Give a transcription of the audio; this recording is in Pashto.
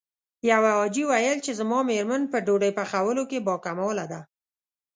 يوه حاجي ويل چې زما مېرمن په ډوډۍ پخولو کې باکماله ده.